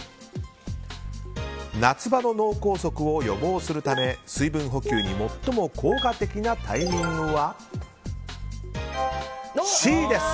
夏場の脳梗塞を予防するため水分補給に最も効果的なタイミングはＣです。